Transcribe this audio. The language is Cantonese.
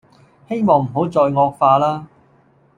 希望唔好再惡化啦